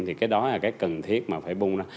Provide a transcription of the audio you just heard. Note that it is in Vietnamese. thì cái đó là cái cần thiết mà phải bung đó